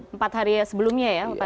empat hari sebelumnya ya